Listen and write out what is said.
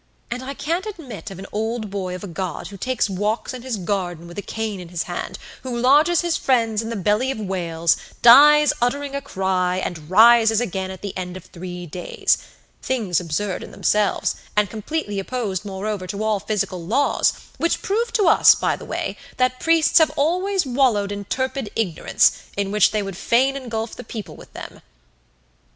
And I can't admit of an old boy of a God who takes walks in his garden with a cane in his hand, who lodges his friends in the belly of whales, dies uttering a cry, and rises again at the end of three days; things absurd in themselves, and completely opposed, moreover, to all physical laws, which prove to us, by the way, that priests have always wallowed in turpid ignorance, in which they would fain engulf the people with them."